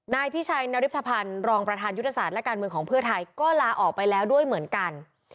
นายพิชัยนริพันธ์รองประธานยุทธศาสตร์และการเมืองของเพื่อไทยก็ลาออกไปแล้วด้วยเหมือนกัน